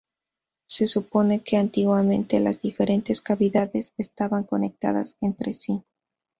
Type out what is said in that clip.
Se supone que antiguamente las diferentes cavidades estaban conectadas entre sí.